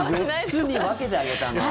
４つに分けてあげたの。